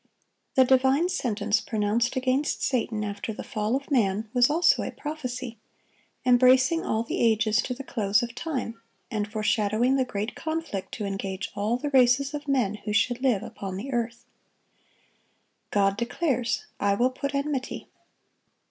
(891) The divine sentence pronounced against Satan after the fall of man, was also a prophecy, embracing all the ages to the close of time, and foreshadowing the great conflict to engage all the races of men who should live upon the earth. God declares, "I will put enmity."